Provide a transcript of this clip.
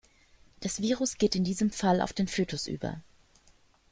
Das Virus geht in diesem Fall auf den Fetus über.